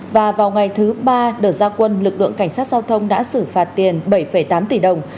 và vào ngày thứ ba đợt gia quân lực lượng cảnh sát giao thông đã xử phạt tiền bảy tám tỷ đồng